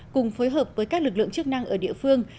cùng phối hợp với các lực lượng chức năng ở địa phương